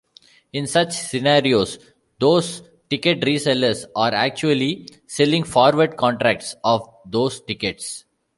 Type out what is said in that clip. In such scenarios, those ticket re-sellers are actually selling forward contracts of those tickets.